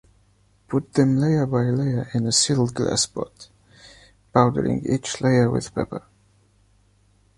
Put them layer by layer in a sealed glass pot, powdering each layer with pepper.